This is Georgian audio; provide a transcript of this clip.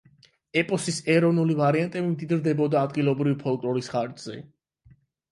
ეპოსის ეროვნული ვარიანტები მდიდრდებოდა ადგილობრივი ფოლკლორის ხარჯზე.